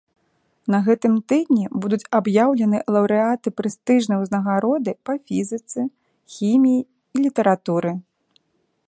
На гэтым тыдні будуць аб'яўлены лаўрэаты прэстыжнай узнагароды па фізіцы, хіміі і літаратуры.